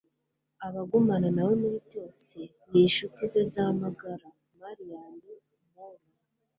abagumana nawe muri byose - ni inshuti zawe magara. - marilyn monroe